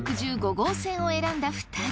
号線を選んだ２人。